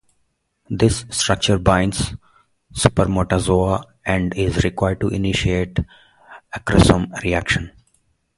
This structure binds spermatozoa, and is required to initiate the acrosome reaction.